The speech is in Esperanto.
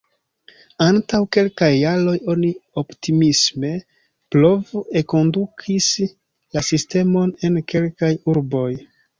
Antaŭ kelkaj jaroj oni optimisme prov-enkondukis la sistemon en kelkaj urboj.